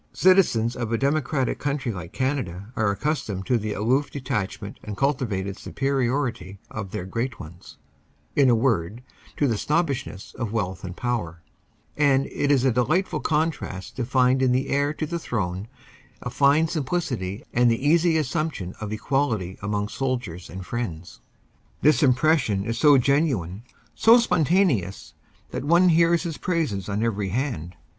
Citizens of a democratic country like Canada are accustomed to the aloof detachment and cultivated superiority of their great ones in a word, to the snobbishness of wealth and power and it is a delightful contrast to find in the heir to the throne a fine simplicity and the easy assumption of equality as among sol diers and friends. This impression is so genuine, so spontaneous, that one hears his praises on every hand.